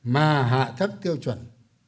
mà hạ thấp tiêu chuẩn